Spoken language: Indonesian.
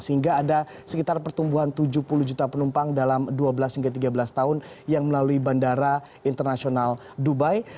sehingga ada sekitar pertumbuhan tujuh puluh juta penumpang dalam dua belas hingga tiga belas tahun yang melalui bandara internasional dubai